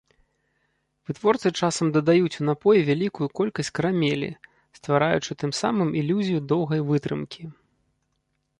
Вытворцы часам дадаюць у напой вялікую колькасць карамелі, ствараючы тым самым ілюзію доўгай вытрымкі.